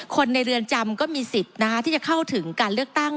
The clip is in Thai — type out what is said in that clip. คนในเรือนจำก็มีสิทธิ์ที่จะเข้าถึงการเลือกตั้ง